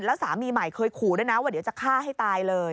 แล้วสามีใหม่เคยขู่ด้วยนะว่าเดี๋ยวจะฆ่าให้ตายเลย